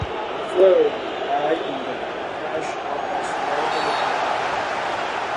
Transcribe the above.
Furrer died in the crash of a small airplane.